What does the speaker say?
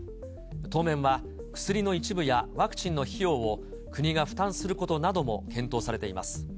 当面は薬の一部やワクチンの費用を、国が負担することなども検討されています。